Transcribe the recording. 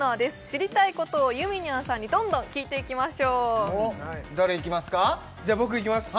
知りたいことをゆみにゃんさんにどんどん聞いていきましょう誰いきますか？